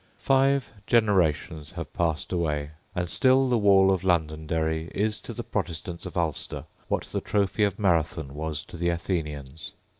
Five generations have since passed away; and still the wall of Londonderry is to the Protestants of Ulster what the trophy of Marathon was to the Athenians.